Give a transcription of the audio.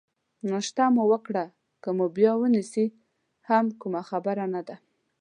ناشته چې مو وکړه، که مو بیا ونیسي هم کومه خبره نه ده.